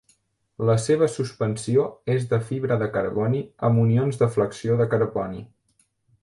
La seva suspensió és de fibra de carboni amb unions de flexió de carboni.